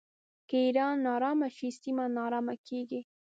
که ایران ناارامه شي سیمه ناارامه کیږي.